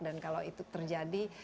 dan kalau itu terjadi